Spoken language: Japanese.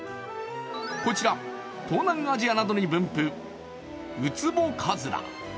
こちら東南アジアなどに分布、ウツボカズラ。